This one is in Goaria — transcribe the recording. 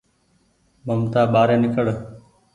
ممتآ ٻآري نيکڙ